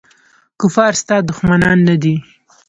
کفار ستا دښمنان نه دي.